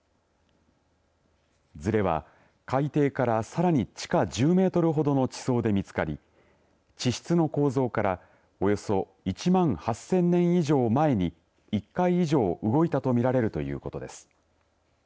ずれは海底からさらに地下１０メートルほどの地層で見つかり地質の構造からおよそ１万８０００年以上前に１回以上動いたと見られるということです。